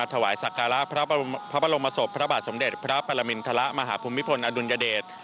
ถวายสักการะพระบรมศพพระบาทสมเด็จพระปรมินทรมาหาภูมิพลอดุลยเดช